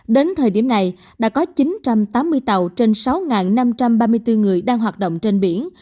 đến thời điểm này đã có chín trăm tám mươi tàu trên sáu năm trăm ba mươi bốn người đang hoạt động trên biển